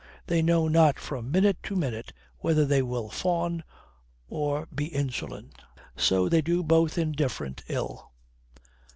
They know not from minute to minute whether they will fawn or be insolent. So they do both indifferent ill."